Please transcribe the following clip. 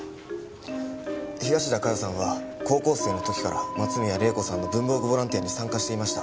東田加代さんは高校生の時から松宮玲子さんの文房具ボランティアに参加していました。